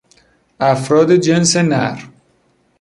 افراد جنس نر